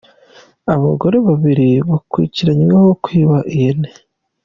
Abagore babiri bakurikiranyweho kwiba ihene